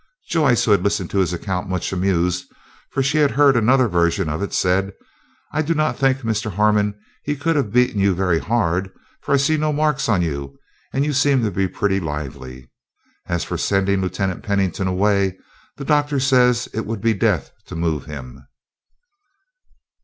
Joyce, who had listened to his account much amused, for she had heard another version of it, said, "I do not think, Mr. Harmon, he could have beaten you very hard, for I see no marks on you, and you seem to be pretty lively. As for sending Lieutenant Pennington away, the Doctor says it would be death to move him."